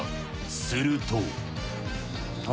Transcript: すると。